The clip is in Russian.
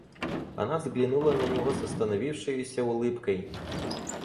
Она взглянула на него с остановившеюся улыбкой.